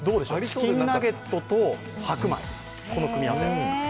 チキンナゲットと白米、この組み合わせ。